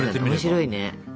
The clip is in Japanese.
面白いね。